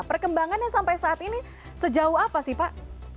perkembangannya sampai saat ini sejauh apa sih pak